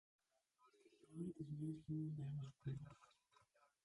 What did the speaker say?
Στην πλώρη της μιας κοιμούνταν ένας κουλός